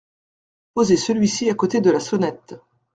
Posez celui-ci à côté de la sonnette.